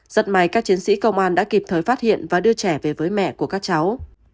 rất may các chiến sĩ công an đã kịp thời phát hiện và đưa trẻ về với mẹ của các cháu